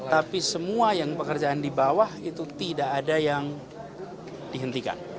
tapi semua yang pekerjaan di bawah itu tidak ada yang dihentikan